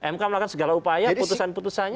mk melakukan segala upaya putusan putusannya